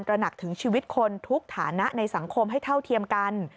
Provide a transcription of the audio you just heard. ระหนักถึงชีวิตคนทุกฐานะในสังคมให้เท่าเทียมกัน